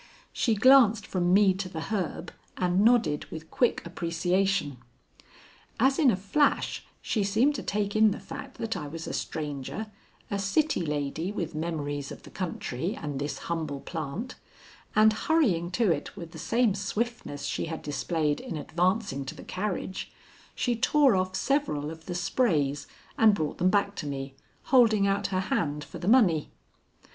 She glanced from me to the herb and nodded with quick appreciation. As in a flash she seemed to take in the fact that I was a stranger, a city lady with memories of the country and this humble plant, and hurrying to it with the same swiftness she had displayed in advancing to the carriage, she tore off several of the sprays and brought them back to me, holding out her hand for the money.